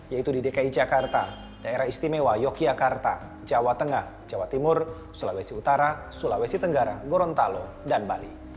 yaitu di dki jakarta daerah istimewa yogyakarta jawa tengah jawa timur sulawesi utara sulawesi tenggara gorontalo dan bali